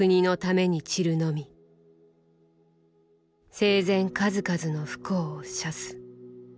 生前数々の不幸を謝す。